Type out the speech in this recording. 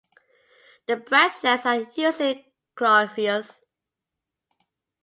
The branchlets are usually glaucous.